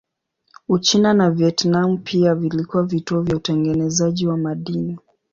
Uchina na Vietnam pia vilikuwa vituo vya utengenezaji wa madini.